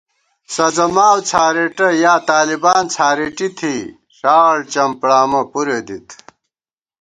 سَزہ ماؤ څھارېٹہ یا طالبان څھارېٹی تھی، ݭاڑ چمپڑامہ پُرے دِت